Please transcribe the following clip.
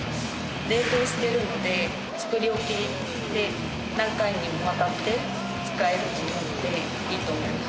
冷凍してるので作り置きで何回にもわたって使えると思うのでいいと思います。